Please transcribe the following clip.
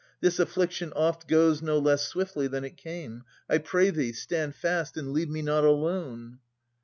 This affliction oft Goes no less swiftly than it came. I pray thee. Stand fast and leave me not alone